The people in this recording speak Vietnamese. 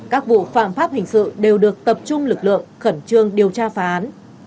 các vụ phạm pháp hình sự đều được tập trung lực lượng khẩn trương điều tra phá án